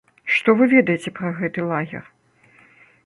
Што вы ведаеце пра гэты лагер?